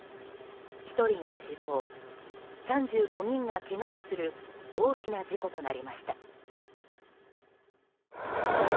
１人が死亡３５人がけがをする大きな事故となりました。